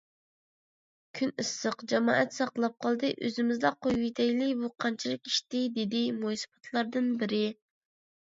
كۈن ئىسسىق، جامائەت ساقلاپ قالدى، ئۆزىمىزلا قويۇۋېتەيلى، بۇ قانچىلىك ئىشتى؟ _ دېدى مويسىپىتلاردىن بىرى.